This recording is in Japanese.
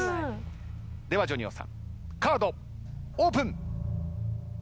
ではＪＯＮＩＯさんカードオープン。